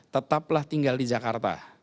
tetaplah tinggal di jakarta